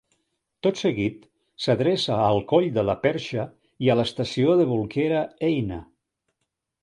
Tot seguit s'adreça al Coll de la Perxa i a l'Estació de Bolquera-Eina.